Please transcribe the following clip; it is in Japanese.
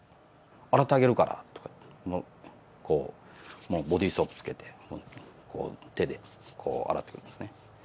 洗ってあげるからって、こう、もうボディーソープつけて、こう、手で、こう洗ってくるんですね。